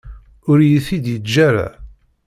Ur iyi-t-id-yeǧǧa ara.